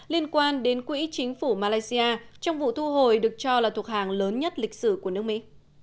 liên quan đến quỹ chính phủ malaysia trong vụ thu hồi được cho là thuộc hàng lớn nhất lịch sử của nước mỹ